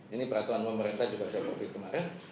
ini peraturan pemerintah juga sudah terbit kemarin